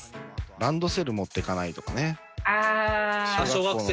ランドセル持ってかないとかあー。